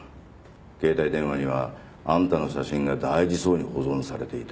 携帯電話にはあんたの写真が大事そうに保存されていた。